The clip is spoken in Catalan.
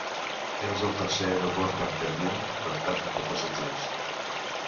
És el tercer aeroport capverdià per tràfic de passatgers.